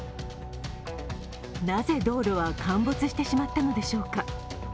なぜ道路は陥没してしまったのでしょうか。